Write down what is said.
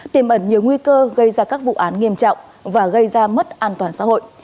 tiềm ẩn nhiều nguy cơ gây ra các vụ án nghiêm trọng và gây ra mất an toàn xã hội